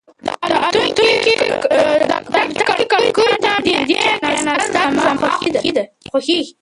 د الوتکې کړکۍ ته نږدې کېناستل زما خوښېږي.